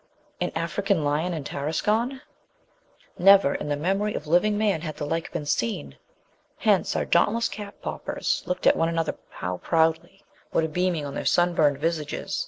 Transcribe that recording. An African lion in Tarascon? Never in the memory of living man had the like been seen. Hence our dauntless cap poppers looked at one another how proudly! What a beaming on their sunburned visages!